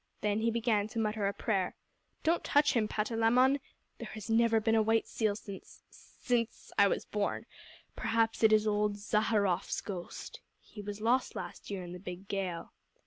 Then he began to mutter a prayer. "Don't touch him, Patalamon. There has never been a white seal since since I was born. Perhaps it is old Zaharrof's ghost. He was lost last year in the big gale."